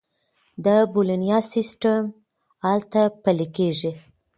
د بولونیا سیستم هلته پلي کیږي.